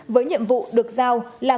với nhiệm vụ được giao là